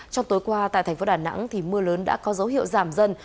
trong tối qua tại thành phố đà nẵng mưa lớn đã có dấu hiệu giảm dần